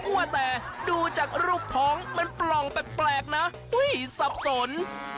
ว่าแต่ดูจากรูปท้องมันปล่องแปลกนะสับสน